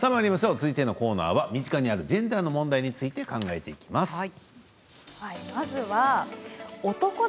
続いてのコーナーは身近にあるジェンダーの問題について考えていきます。